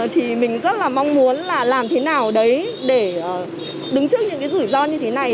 thì mình rất là mong muốn là làm thế nào đấy để đứng trước những cái rủi ro như thế này